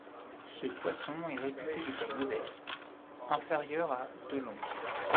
Ce poisson est réputé de taille modeste, inférieure à de long.